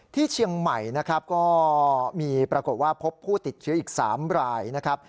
ที่เชียงใหม่นะครับก็มีปรากฏว่าพบผู้ติดเชื้ออีก๓รายนะครับ